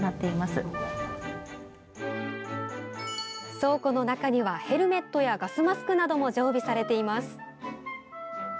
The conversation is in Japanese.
倉庫の中にはヘルメットやガスマスクなども常備されています。